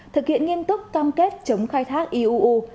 thực hiện nghiêm túc cam kết chống khai thác iuu